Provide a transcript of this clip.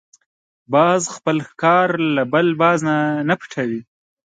باز خپل ښکار له بل باز نه پټوي